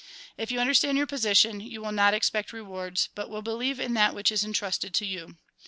If you under stand your position, you will not expect rewards, but will believe in that which is entrusted to you.